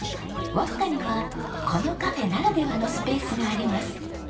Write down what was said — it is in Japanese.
わっかにはこのカフェならではのスペースがあります。